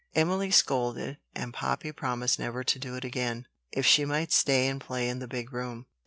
Emily scolded; and Poppy promised never to do it again, if she might stay and play in the big room.